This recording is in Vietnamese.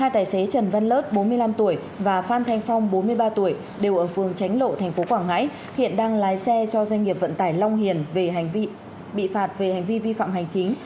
hai tài xế trần văn lớt bốn mươi năm tuổi và phan thanh phong bốn mươi ba tuổi đều ở phường tránh lộ tp quảng ngãi hiện đang lái xe cho doanh nghiệp vận tải long hiền về phạt về hành vi vi phạm hành chính